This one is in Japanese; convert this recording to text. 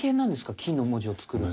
金の文字を作るって。